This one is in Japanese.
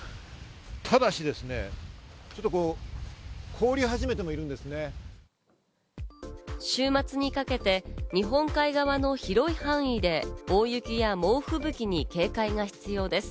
ただし凍り始めてもいるんですね。週末にかけて日本海側の広い範囲で大雪や猛吹雪に警戒が必要です。